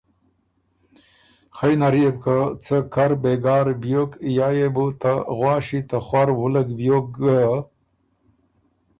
خئ نر يې بو که څۀ کر بېګار بیوک یا يې بو ته غواݭی ته خؤر وُولک بیوک ګه۔